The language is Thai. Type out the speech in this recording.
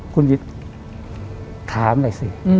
คุณวิทย์ถามหน่อยสิ